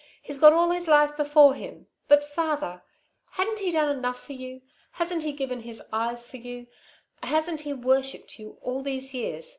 He's got all his life before him. But father hadn't he done enough for you? Hasn't he given his eyes for you? Hasn't he worshipped you all these years?